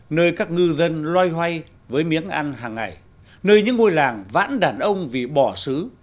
nơi các ngư dân loay hoay với miếng ăn hàng ngày nơi những ngôi làng vãn đàn ông vì bỏ xứ